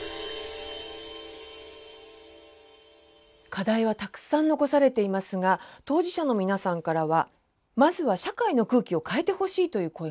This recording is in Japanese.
課題はたくさん残されていますが当事者の皆さんからはまずは社会の空気を変えてほしいという声が多く届いています。